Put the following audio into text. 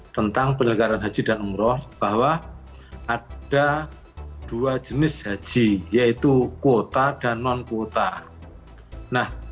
tentang penyelenggaran haji dan umroh bahwa ada dua jenis haji yaitu kuota dan non kuota